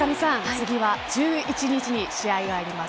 次は１１日に試合があります。